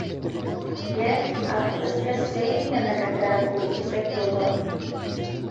— Йә, ҡатыҡ эскәс, сәй ни нәмәгә кәрәк ул, эсәк йыуҙырып.